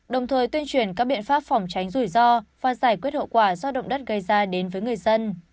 đồng thời tuyên truyền các biện pháp phòng tránh rủi ro và giải quyết hậu quả do động đất gây ra đến với người dân